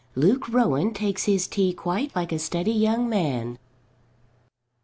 LUKE ROWAN TAKES HIS TEA QUITE LIKE A STEADY YOUNG MAN.